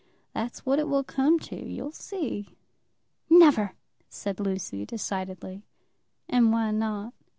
That's what it will come to; you'll see." "Never," said Lucy decidedly. "And why not?"